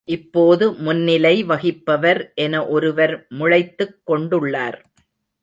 இப்போது முன்னிலை வகிப்பவர் என ஒருவர் முளைத்துக் கொண்டுள்ளார்.